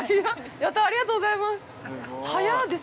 やったありがとうございます。